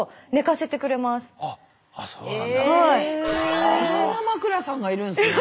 いろんな枕さんがいるんすね。